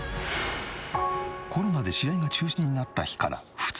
コロナで試合が中止になった日から２日後。